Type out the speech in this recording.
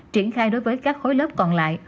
triển khai đối với các khối lớp còn lại